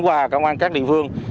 qua công an các địa phương